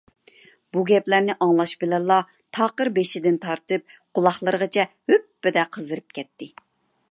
بۇ گەپلەرنى ئاڭلاش بىلەنلا تاقىر بېشىدىن تارتىپ قۇلاقلىرىغىچە ھۈپپىدە قىزىرىپ كەتتى.